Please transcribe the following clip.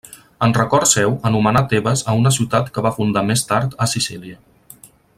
En record seu anomenà Tebes a una ciutat que va fundar més tard a Sicília.